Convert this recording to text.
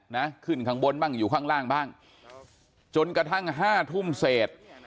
นะขึ้นข้างบนบ้างอยู่ข้างล่างบ้างจนกระทั่งห้าทุ่มเศษ